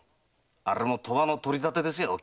あれもきっと賭場の取り立てですよ。